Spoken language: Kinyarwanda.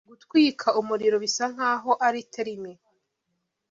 Gutwika umuriro ..bisa nkaho ari terime.